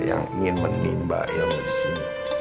yang ingin menimba ilmu disini